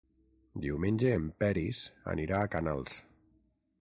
Diumenge en Peris anirà a Canals.